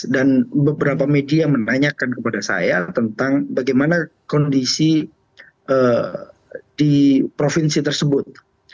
dan beberapa media menanyakan kepada saya tentang bagaimana kondisi di provinsi tersebut